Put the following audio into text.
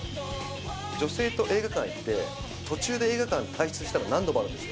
女性と映画館行って途中で映画館退出したの何度もあるんですよ。